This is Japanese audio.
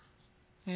え？